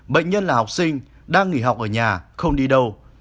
bệnh nhân là học sinh đang nghỉ học ở nhà không đi đâu